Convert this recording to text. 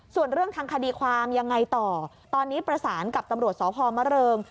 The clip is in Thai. ส่วนเรื่องทางคดีความยังไงต่อตอนนี้ประสานกับตำรวจสพมะเริง